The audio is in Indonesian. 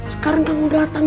sekarang kamu datang